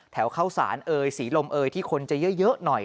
เข้าสารเอ่ยศรีลมเอยที่คนจะเยอะหน่อย